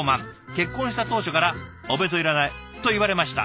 結婚した当初から『お弁当いらない』と言われました。